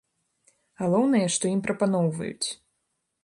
Галоўнае, што ім прапаноўваюць.